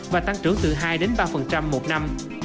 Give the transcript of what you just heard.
và tăng trưởng từ hai ba một năm